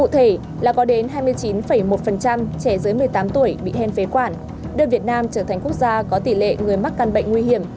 cụ thể là có đến hai mươi chín một trẻ dưới một mươi tám tuổi bị hen phế quản đưa việt nam trở thành quốc gia có tỷ lệ người mắc căn bệnh nguy hiểm